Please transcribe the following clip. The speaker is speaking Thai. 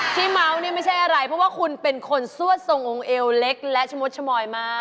เมาส์นี่ไม่ใช่อะไรเพราะว่าคุณเป็นคนซั่วทรงองค์เอวเล็กและชะมดชมอยมาก